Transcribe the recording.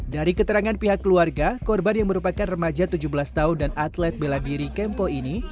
dari keterangan pihak keluarga korban yang merupakan remaja tujuh belas tahun dan atlet bela diri kempo ini